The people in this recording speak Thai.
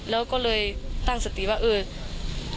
แล้วก็เลยตั้งสติว่าเออ